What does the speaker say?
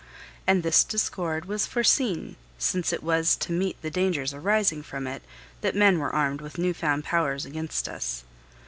And this discord was foreseen, since it was to meet the dangers arising from it that men were armed with new found powers against us.